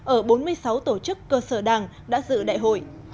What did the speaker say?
ở bốn mươi sáu tổ chức cơ sở đảng đã dự đại hội